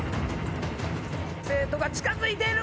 生徒が近づいている！